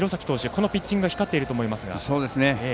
このピッチングが光っていると思いますが。